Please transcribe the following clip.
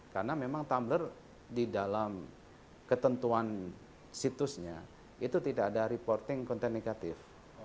karena memang tumblr di dalam ketentuan situsnya itu tidak ada reporting konten negatif